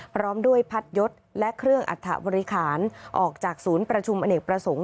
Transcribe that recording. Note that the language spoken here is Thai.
พร้อมด้วยพัดยศและเครื่องอัฐบริหารออกจากศูนย์ประชุมอเนกประสงค์